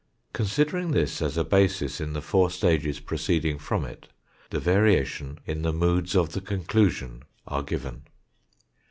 Considering this as a basis in the four stages proceeding from it, the variation in the moods of the conclusion are given.